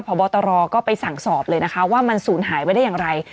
พบตรก็ไปสั่งสอบเลยนะคะว่ามันสูญหายไปได้อย่างไร